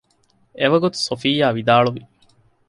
އެވަގުތު ޞަފިއްޔާ ވިދާޅުވި